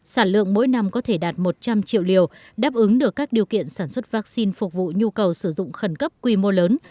sản lượng mỗi năm có thể đạt một trăm linh triệu liều đáp ứng được các điều kiện sản xuất vaccine phục vụ nhu cầu sử dụng khẩn cấp quy mô lớn